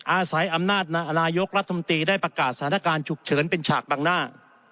อาศัยอำนาจนายกรัฐมนตรีได้ประกาศสถานการณ์ฉุกเฉินเป็นฉากบังหน้า